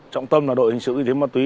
trọng tâm là đội hình sự y tế ma túy